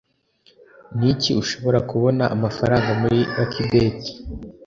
Niki ushobora kubona amafaranga muri Lucky Bets